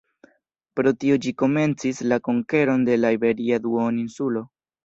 Pro tio ĝi komencis la konkeron de la iberia duoninsulo.